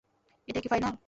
এটাই কি ফাইনাল?